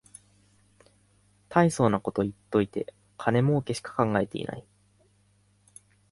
たいそうなこと言っといて金もうけしか考えてない